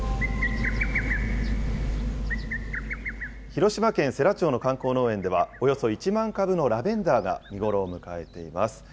広島県世羅町の観光農園では、およそ１万株のラベンダーが見頃を迎えています。